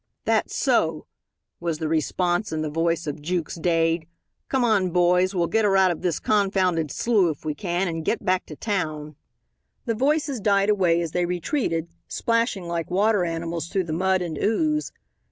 "That's so," was the response in the voice of Jukes Dade. "Come on, boys, we'll get her out of this confounded slough if we can, and get back to town." The voices died away as they retreated, splashing like water animals through the mud and ooze.